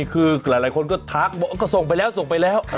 คือหลายคนก็ทักบอกก็ส่งไปแล้วส่งไปแล้ว